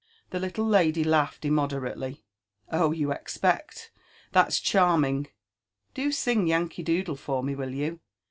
The little lady laughed immoderately. Oh, you expect !— that's charming !— Do sing Yankee Doodle for me, will you